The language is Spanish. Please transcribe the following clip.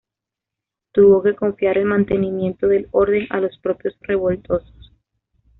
Tuvo que confiar el mantenimiento del orden a los propios revoltosos.